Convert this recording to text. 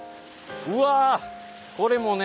うわ！